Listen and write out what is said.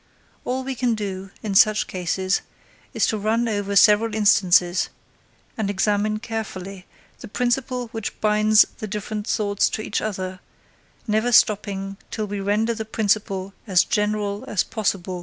All we can do, in such cases, is to run over several instances, and examine carefully the principle which binds the different thoughts to each other, never stopping till we render the principle as general as possible.